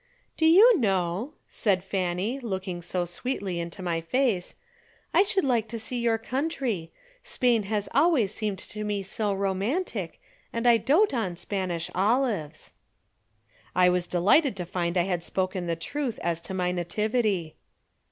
"Do you know," said Fanny, looking so sweetly into my face, "I should like to see your country. Spain has always seemed to me so romantic, and I dote on Spanish olives." I was delighted to find I had spoken the truth as to my nativity.